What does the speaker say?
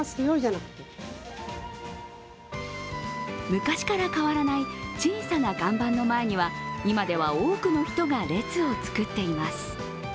昔から変わらない小さな看板の前には今では、多くの人が列を作っています。